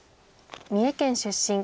三重県出身。